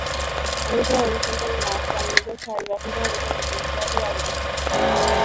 আমেরিকায় অবস্থানকালে নার্স আমেরিকার স্থায়ী বাসিন্দা হবার জন্য গ্রিন কার্ডের আবেদন করেন।